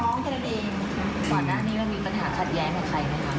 ก่อนด้านนี้มันมีปัญหาขัดแย้งใครล่ะค่ะ